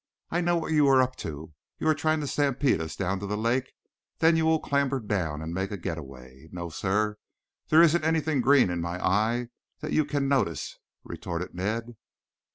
I know what you are up to. You are trying to stampede us down to the lake, then you will clamber down and make a get away. No, sir, there isn't anything green in my eye that you can notice," retorted Ned.